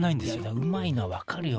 うまいの分かるよ